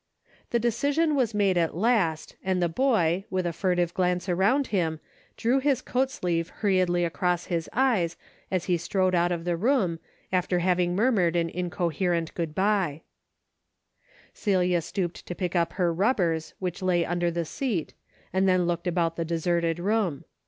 The decision was made at last, and the boy, with a furtive glance around him, drew his coat sleeve hurriedly across his eyes as he strode out of the room after having murmured an incoherent good bye. DAILY rate:' 327 Celia stooped to pick up her rubbers which lay under the seat, and then looked about the deserted room.